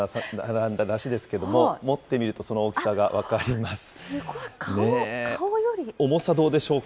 ずらりと並んだ梨ですけれども、持ってみると、その大きさが分かります。